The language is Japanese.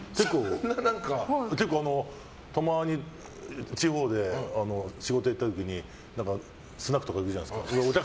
結構、たまに地方で仕事に行った時にスナックとか行くじゃないですか。